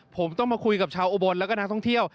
ผมต้องมาคุยกับชาวอุบลแล้วก็นักท่องเที่ยว